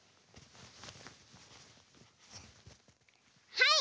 はい！